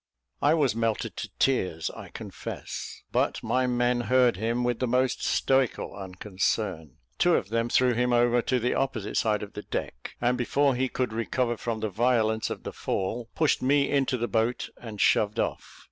I was melted to tears, I confess; but my men heard him with the most stoical unconcern. Two of them threw him over to the opposite side of the deck; and before he could recover from the violence of the fall, pushed me into the boat, and shoved off.